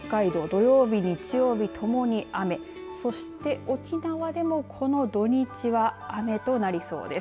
北海道、土曜日、日曜日ともに雨そして沖縄でも、この土日は雨となりそうです。